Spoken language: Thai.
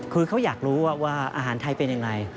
คือเขาอยากรู้ว่าอาหารไทยเป็นอย่างไร